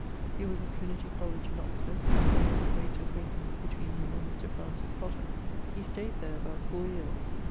He was of Trinity College in Oxford, where was a great acquaintance between him and Mr. Francis Potter. He stayed there about yeares.